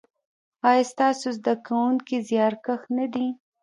ایا ستاسو زده کونکي زیارکښ نه دي؟